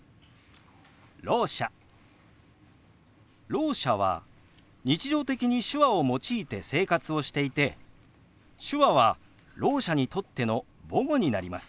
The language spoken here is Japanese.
ろう者は日常的に手話を用いて生活をしていて手話はろう者にとっての母語になります。